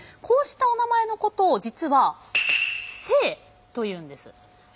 こうしたおなまえのことを実は姓というんです。